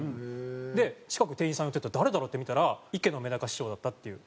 で近くに店員さん寄っていって誰だろう？って見たら池乃めだか師匠だったっていう。